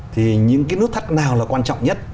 thì những cái nút thắt nào là quan trọng nhất